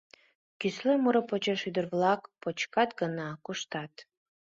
Кӱсле муро почеш ӱдыр-влак почкат гына — куштат.